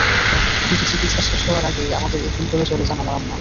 কিন্তু চিকিৎসা শেষ হওয়ার আগেই আমাদের এতিম করে চলে যান আমার আম্মা।